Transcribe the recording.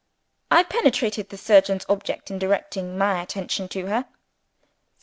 I penetrated the surgeon's object in directing my attention to her.